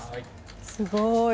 すごい。